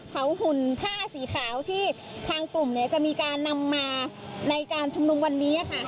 หุ่นผ้าสีขาวที่ทางกลุ่มเนี่ยจะมีการนำมาในการชุมนุมวันนี้ค่ะ